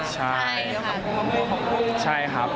ใช่ใช่ครับ